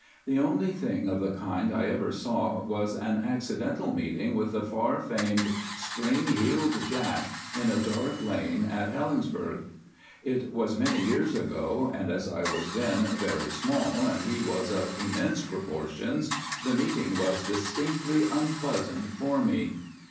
The only thing of the kind I ever saw was an accidental meeting with the far famed "Spring heeled Jack" in a dark lane at Helensburgh. It was many years ago, and as I was then very small and he was of immense proportions, the meeting was distinctly unpleasant for me.